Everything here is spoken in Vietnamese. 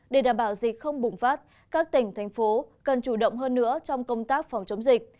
để đảm bảo dịch không bùng phát các tỉnh thành phố cần chủ động hơn nữa trong công tác phòng chống dịch